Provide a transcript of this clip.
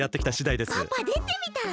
パパでてみたら？